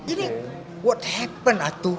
ini apa yang terjadi atu